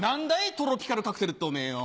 トロピカルカクテルっておめぇよ。